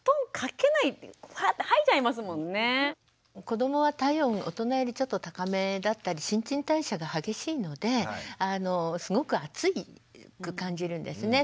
子どもは体温大人よりちょっと高めだったり新陳代謝が激しいのですごく暑く感じるんですね。